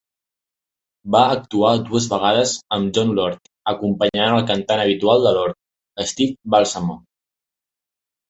Va actuar dues vegades am Jon Lord, acompanyant al cantant habitual de Lord, Steve Balsamo.